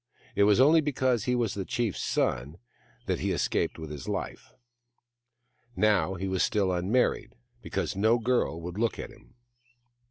It was only because he was the chief's son that he escaped with his life. Now he was still unmarried, because no girl would look at him.